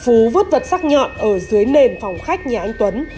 phú vứt vật sắc nhọn ở dưới nền phòng khách nhà anh tuấn